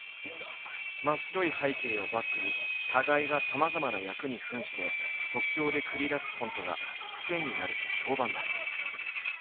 真っ白い背景をバックに互いがさまざまな役に扮して即興で繰り出すコントがクセになると評判だ。